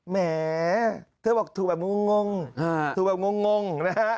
แหมเธอบอกถูกแบบงงถูกแบบงงนะฮะ